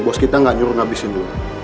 bos kita gak nyuruh ngabisin dulu